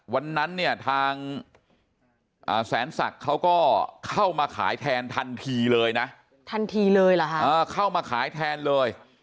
วันนั้นเนี่ยทางแสนศักดิ์เขาก็เข้ามาขายแทนทันทีเลยนะทันทีเลยเหรอฮะเข้ามาขายแทนเลย